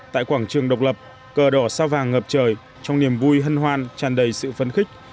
tại quảng trường độc lập cờ đỏ sao vàng ngập trời trong niềm vui hân hoan tràn đầy sự phấn khích